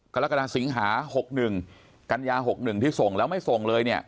กรกฎาสิงหา๖๑กันยา๖๑ที่ส่งแล้วไม่ส่งเลยเนี่ย